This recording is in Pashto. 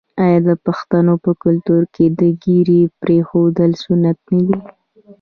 آیا د پښتنو په کلتور کې د ږیرې پریښودل سنت نه دي؟